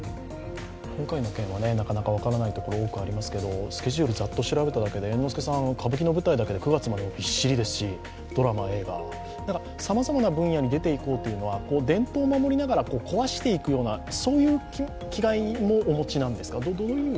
今回の件はなかなか分からないところが多くありますが、スケジュールざっと調べただけで歌舞伎の舞台だけで９月までびっしりですし、ドラマ、映画、さまざまな分野に出ていこうというのは伝統を守りながら壊していくような、そういう気概もお持ちなんですか？